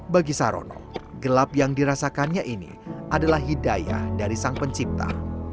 bagi sarono gelap yang dirasakannya ini adalah hidayah dari sang pencipta